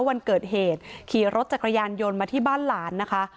วันเกิดเหตุขี่รถจักรยานยนต์มาที่บ้านหลานนะคะ